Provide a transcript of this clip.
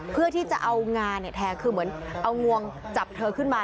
เพื่อที่จะเอางาแทงคือเหมือนเอางวงจับเธอขึ้นมา